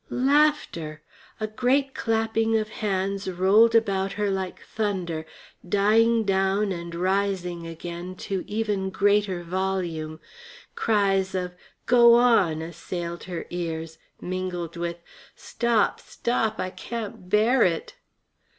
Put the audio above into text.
Laughter! A great clapping of hands rolled about her like thunder, dying down and rising again to even greater volume. Cries of "Go on," assailed her ears, mingled with, "Stop, stop! I can't bear it!"